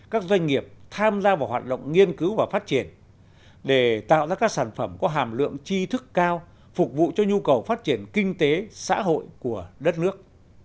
các doanh nghiệp tham gia vào hoạt động nghiên cứu và phát triển để tạo ra các sản phẩm có hàm lượng chi thức cao phục vụ cho nhu cầu phát triển kinh tế xã hội của đất nước